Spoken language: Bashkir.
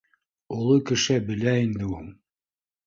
— Оло кеше белә инде ул